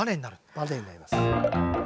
バネになります。